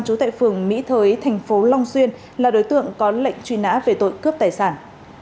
trú tại phường mỹ thới thành phố long xuyên là đối tượng có lệnh truy nã về tội cướp tài sản